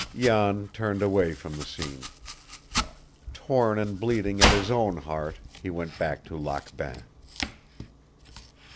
Jan turned away from the scene. Torn and bleeding at his own heart, he went back to Lac Bain.